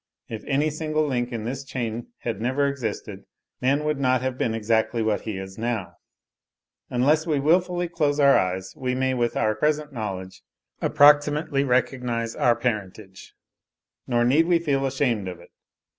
If any single link in this chain had never existed, man would not have been exactly what he now is. Unless we wilfully close our eyes, we may, with our present knowledge, approximately recognise our parentage; nor need we feel ashamed of it.